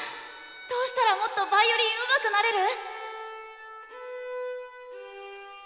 どうしたらもっとヴァイオリンうまくなれる？